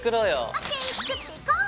ＯＫ作っていこう！